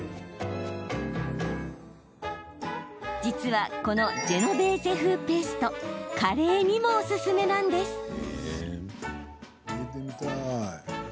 実はこのジェノベーゼ風ペーストカレーにもおすすめなんです。